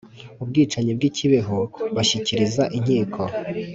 ubwicanyi bw'i kibeho bashyikiriza inkiko.